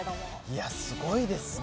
いや、すごいですね。